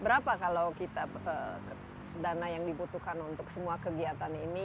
berapa kalau kita dana yang dibutuhkan untuk semua kegiatan ini